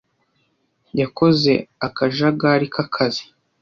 Yakoze akajagari k'akazi.